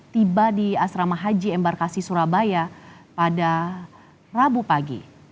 tiba di asrama haji embarkasi surabaya pada rabu pagi